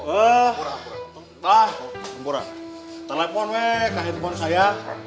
eh ah telepon weh ke handphone saya